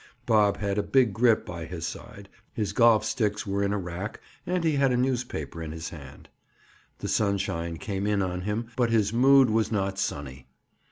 Bob had a big grip by his side, his golf sticks were in a rack and he had a newspaper in his hand. The sunshine came in on him but his mood was not sunny.